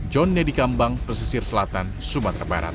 john nedi kambang pesisir selatan sumatera barat